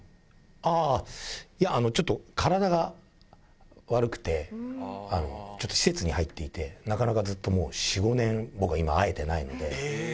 ああ、いや、ちょっと体が悪くて、ちょっと施設に入っていて、なかなかずっともう、４、５年、僕は会えてないので。